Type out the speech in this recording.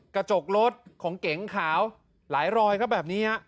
กระจกรถของเก๋งขาวหลายรอยครับแบบนี้ฮะ